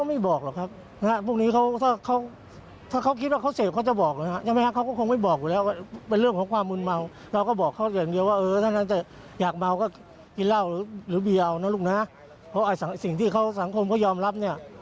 มันก็จะคือยังไงทั่วไปเขาก็จะมีนะครับ